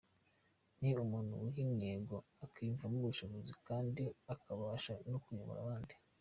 Ni umuntu wiha intego, akiyumvamo ubushobozi kandi akabasha no kuyobora abandi.